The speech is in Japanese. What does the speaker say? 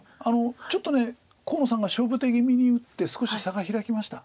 ちょっと河野さんが勝負手気味に打って少し差が開きました。